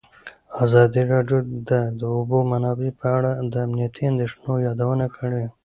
ازادي راډیو د د اوبو منابع په اړه د امنیتي اندېښنو یادونه کړې.